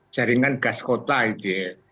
jaringan gas kota gitu ya